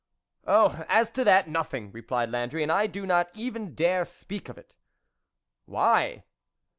" Oh ! as to that, nothing, " replied Landry, " and I do not even dare speak of it." " Why